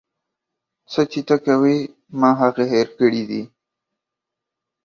څه چې ته کوې ما هغه هير کړي دي.